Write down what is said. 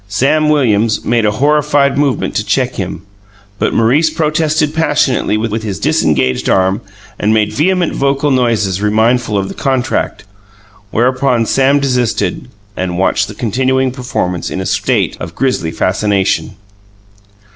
Sam Williams made a horrified movement to check him but Maurice protested passionately with his disengaged arm, and made vehement vocal noises remindful of the contract; whereupon Sam desisted and watched the continuing performance in a state of grisly fascination.